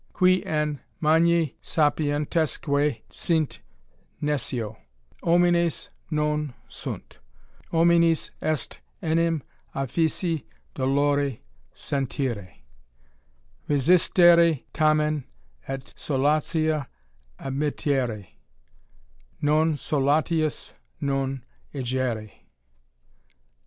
Qui an tnagni sapientesque sint, nescio ; homines non sunt* Hominis est enim affici dolore, seniire ; resistere tamen, ^ solatia admittete ; non solatiis non egere" PiA\^.